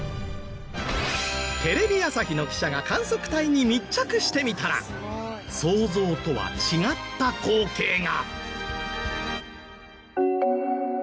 テレビ朝日の記者が観測隊に密着してみたら想像とは違った光景が。